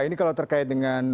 ini kalau terkait dengan